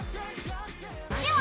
では